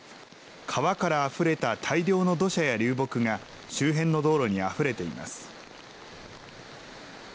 川からあふれた大量の土砂や流木が、周辺の道路にあふれています。